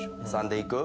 ３でいく？